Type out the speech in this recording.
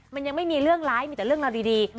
มันยังไม่มีเรื่องร้ายมีแต่เรื่องราวดี